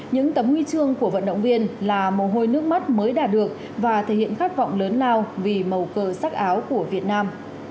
những tấm huy chương của vận động viên là mồ hôi nước mắt mới đạt được và thể hiện khát vọng lớn lao vì màu cờ sắc áo của việt nam